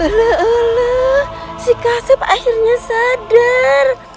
ulu ulu si kasep akhirnya sadar